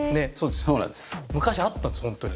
昔あったんですホントに。